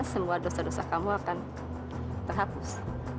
semua dosa dosa kamu akan terhapus